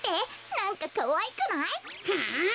なんかかわいくない？はあ？